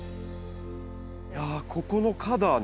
いやここの花壇